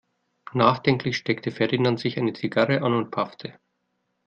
Nachdenklich steckte Ferdinand sich eine Zigarre an und paffte.